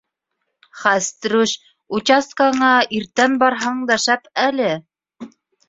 — Хәстрүш, участкаңа иртән барһаң да шәп әле